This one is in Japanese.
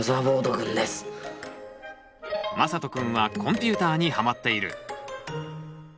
まさとくんはコンピューターにはまっている。